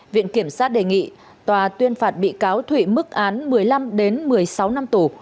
viện kiểm sát đề nghị tòa tuyên phạt bị cáo thụy mức án một mươi năm một mươi sáu năm tù